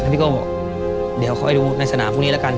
พี่โก้บอกเดี๋ยวคอยดูในสนามพวกนี้แล้วกัน